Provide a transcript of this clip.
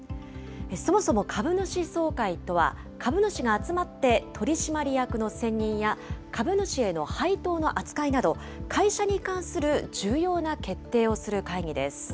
そもそも株主総会とは、株主が集まって取締役の選任や、株主への配当の扱いなど、会社に関する重要な決定をする会議です。